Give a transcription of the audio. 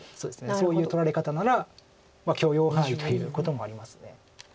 そういう取られ方なら許容範囲ということもあります。